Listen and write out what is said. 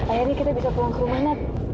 akhirnya kita bisa pulang ke rumah non